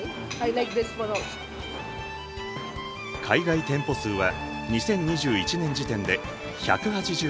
海外店舗数は２０２１年時点で１８７。